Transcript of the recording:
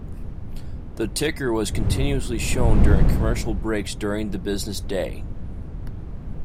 The ticker was continuously shown during commercial breaks during the business day.